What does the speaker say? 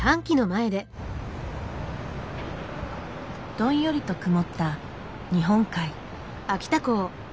どんよりと曇った日本海。